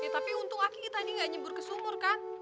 tapi untung aki tadi gak nyebur ke sumur kan